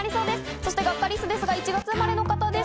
そしてガッカりすは１月生まれの方です。